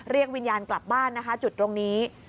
วิญญาณกลับบ้านนะคะจุดตรงนี้